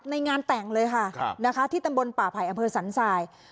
ในงานแต่งเลยค่ะนะคะที่ตำบลป่าไผ่อำเภอสันทราย